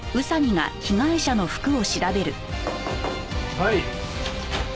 はい。